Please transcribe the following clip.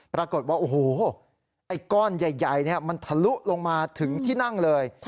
ปรากฏว่าโอ้โหไอ้ก้อนใหญ่มันทะลุลงมาถึงที่นั่งเลย